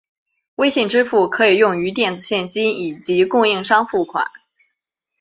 微信支付可用于电子现金以及供应商付款。